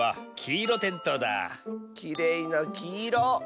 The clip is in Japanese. きれいなきいろ。